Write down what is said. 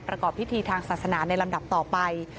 ประกอบพิธีทางศาสนาในลำดับต่อไป